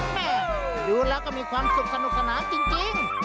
ดูแล้วก็มีความสุขสนุกสนานจริง